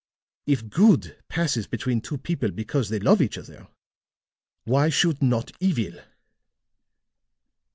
If good passes between two people because they love each other, why should not evil?